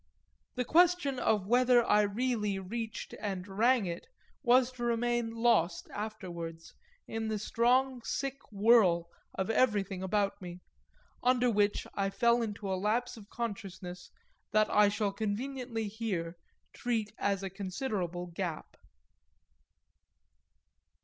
The question of whether I really reached and rang it was to remain lost afterwards in the strong sick whirl of everything about me, under which I fell into a lapse of consciousness that I shall conveniently here treat as a considerable gap.